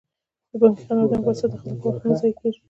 د بانکي خدمتونو په واسطه د خلکو وخت نه ضایع کیږي.